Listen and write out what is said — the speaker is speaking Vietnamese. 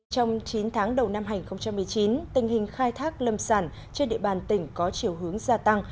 trong chín tháng đầu năm hai nghìn một mươi chín tình hình khai thác lâm sản trên địa bàn tỉnh có chiều hướng gia tăng